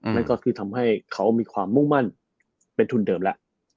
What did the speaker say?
นั่นก็คือทำให้เขามีความมุ่งมั่นเป็นทุนเดิมแล้ว